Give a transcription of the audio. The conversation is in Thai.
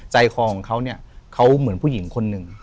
ใจครองเขาเหมือนผู้หญิงคนหนึ่ง